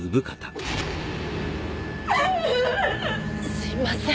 すいません。